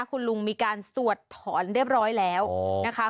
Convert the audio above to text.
คุณลุงมีการสวดถอนเรียบร้อยแล้วนะคะ